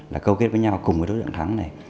là câu kết với nhau cùng với đối tượng thắng này